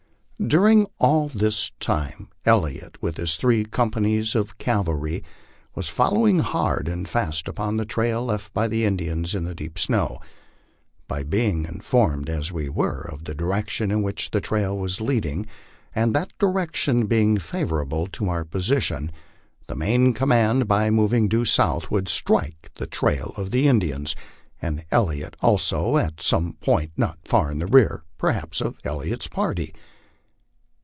During all this time Elliot with his three companies of calvary was follow ing hard and fast upon the trail left by the Indians in the deep snow. By being informed, as we were, of the direction in which the trail was leading, and that direction being favorable to our position, the main command by mov ing due south would strike the trail of the Indians, and of Elliot also, at some point not for in rear perhaps of Elliot's party.